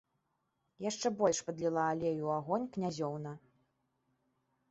Яшчэ больш падліла алею ў агонь князёўна.